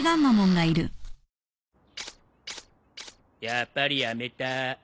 やっぱりやめた。